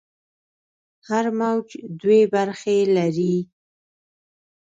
هر موج دوې برخې لري.